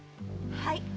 はい。